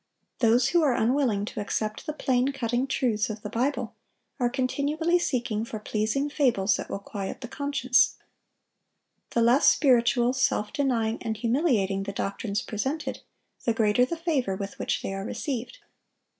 Those who are unwilling to accept the plain, cutting truths of the Bible, are continually seeking for pleasing fables that will quiet the conscience. The less spiritual, self denying, and humiliating the doctrines presented, the greater the favor with which they are received.